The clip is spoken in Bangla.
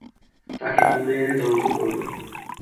তাকে তুলে এনে ধৌত করল।